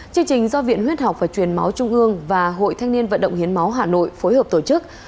chương trình do viện huyết học và truyền máu trung ương và hội thanh niên vận động hiến máu hà nội phối hợp tổ chức